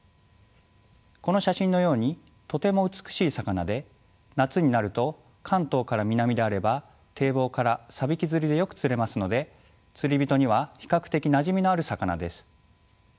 この写真のようにとても美しい魚で夏になると関東から南であれば堤防からサビキ釣りでよく釣れますので釣り人には比較的なじみのある魚です。